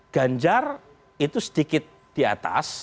ganjar itu sedikit di atas